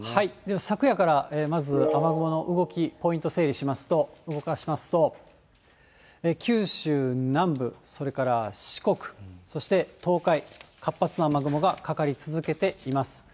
昨夜から、まず雨雲の動き、ポイント、整理しますと、動かしますと、九州南部、それから四国、そして東海、活発な雨雲がかかり続けています。